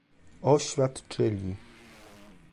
Oświadczyli